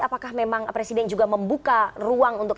apakah memang presiden juga membuka ruang untuk